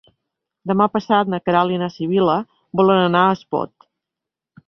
Demà passat na Queralt i na Sibil·la volen anar a Espot.